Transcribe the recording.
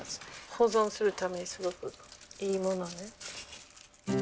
保存するためにすごくいいものね。